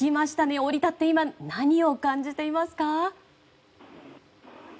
降り立って今、何を感じていますか？